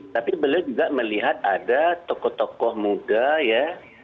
tapi beliau juga melihat ada tokoh tokoh muda ya